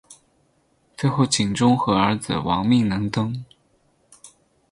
最后景忠和儿子亡命能登。